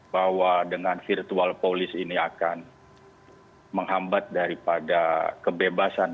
bahwa dengan virtual police ini akan menghambat daripada kebebasan